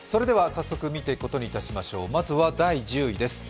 早速見ていくことにしましょう、まずは第１０位です。